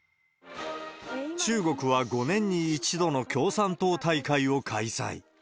中国は５年に１度の共産党大会を開催。